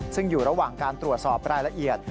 ซึ่งอยู่ระหว่างการตรวจสอบรายละเอียด